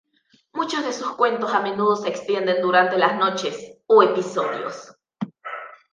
Muchos de sus cuentos a menudo se extienden durante muchas noches o "episodios".